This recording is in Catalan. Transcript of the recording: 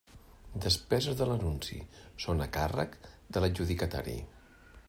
Despeses de l'Anunci: són a càrrec de l'adjudicatari.